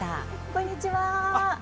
こんにちは！